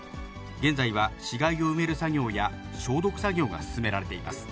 現在は死骸を埋める作業や消毒作業が進められています。